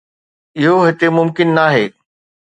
اهو هتي ممڪن ناهي.